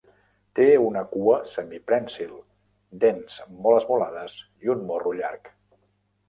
Té una cua semiprènsil, dents molt esmolades i un morro llarg.